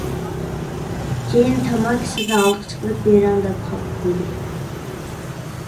كېيىن «تاماكا ئىسىدىن ھالقا چىقىرىپ بېرىڭ» دەپ خاپا قىلدى.